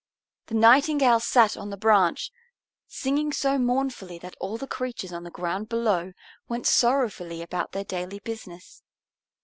The Nightingale sat on the branch, singing so mournfully that all the creatures on the ground below went sorrowfully about their daily business.